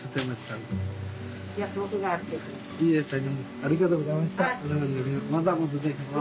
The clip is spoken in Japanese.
ありがとうございましたまた。